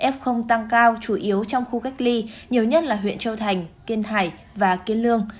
f tăng cao chủ yếu trong khu cách ly nhiều nhất là huyện châu thành kiên hải và kiên lương